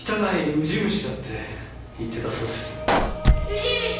ウジ虫！